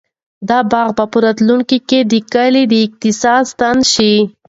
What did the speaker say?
دا باغ به په راتلونکي کې د کلي د اقتصاد ستنه شي.